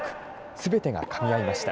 すべてがかみ合いました。